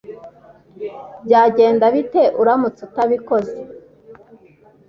Byagenda bite uramutse utabikoze